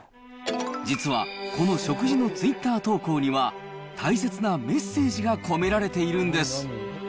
実はこの食事のツイッター投稿には、大切なメッセージが込められているんです。